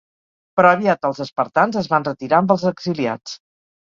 Però aviat els espartans es van retirar amb els exiliats.